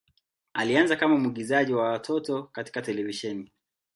Alianza kama mwigizaji wa watoto katika televisheni.